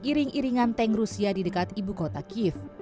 iring iringan tank rusia di dekat ibu kota kiev